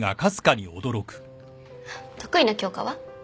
得意な教科は？